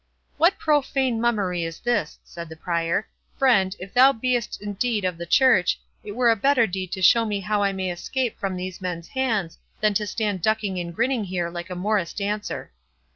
"What profane mummery is this?" said the Prior. "Friend, if thou be'st indeed of the church, it were a better deed to show me how I may escape from these men's hands, than to stand ducking and grinning here like a morris dancer."